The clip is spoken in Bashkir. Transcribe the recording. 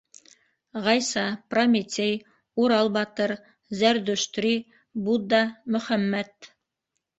Ғайса, Прометей, Урал батыр, Зәрдөштри, Будда, Мөхәммәт...